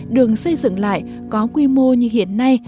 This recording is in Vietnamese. đường xây dựng lại có quy mô như hiện nay